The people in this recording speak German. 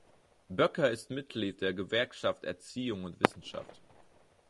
Böcker ist Mitglied der Gewerkschaft Erziehung und Wissenschaft.